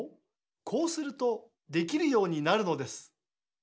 こうするとできるようになるのです。